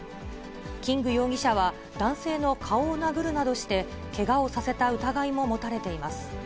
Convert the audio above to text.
キング容疑者は男性の顔を殴るなどして、けがをさせた疑いも持たれています。